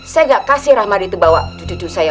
saya gak kasih rahmadi tuh bawa cucu saya